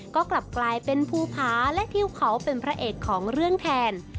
ก็กลับกลายเป็นภูผาและทิวเขาเป็นพระเอกของเรื่องแทน